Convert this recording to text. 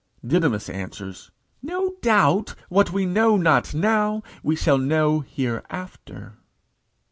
Didymus answers, "No doubt, what we know not now, we shall know hereafter."